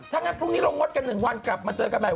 ถ้างั้นพรุ่งนี้เรางดกัน๑วันกลับมาเจอกันใหม่